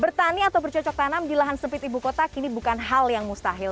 bertani atau bercocok tanam di lahan sempit ibu kota kini bukan hal yang mustahil